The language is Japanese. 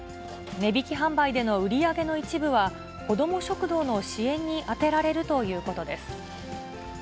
値引き販売での売り上げの一部は、子ども食堂の支援に充てられるということです。